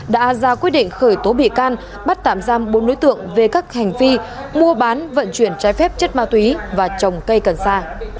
đã ra quyết định khởi tố bị can bắt tạm giam bốn đối tượng về các hành vi mua bán vận chuyển trái phép chất ma túy và trồng cây cần sa